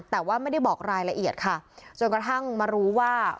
แต่ว่าไม่ได้บอกรายละเอียดค่ะจนกระทั่งมารู้ว่า